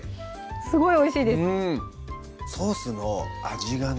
すごいおいしいですソースの味がね